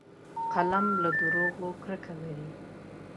قلم له دروغو کرکه لري